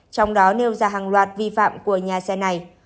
trong đó nêu ra hàng loạt vi phạm của nhà xe này